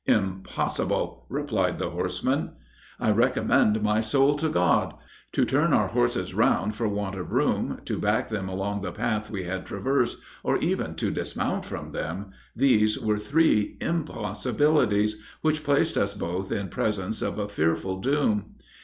"'Impossible!' replied the horseman." "I recommended my soul to God. To turn our horses round for want of room, to back them along the path we had traversed, or even to dismount from them these were three impossibilities, which placed us both in presence of a fearful doom.